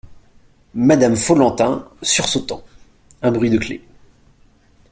Madame Follentin, sursautant. — Un bruit de clef.